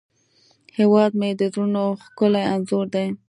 هیواد مې د زړونو ښکلی انځور دی